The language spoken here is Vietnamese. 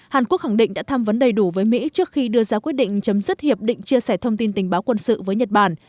hàn quốc khẳng định đã tham vấn đầy đủ với mỹ trước khi đưa ra quyết định chấm dứt hiệp định chia sẻ thông tin tình báo quân sự với nhật bản